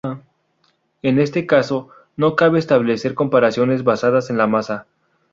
En este caso, no cabe establecer comparaciones basadas en la masa.